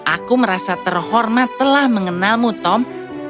aku merasa terhormat telah mengenalmu tom